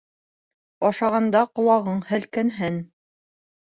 Ашағанда ҡолағың һелкенһен!